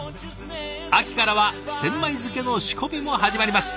秋からは千枚漬の仕込みも始まります。